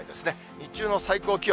日中の最高気温。